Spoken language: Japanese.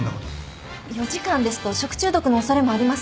４時間ですと食中毒の恐れもあります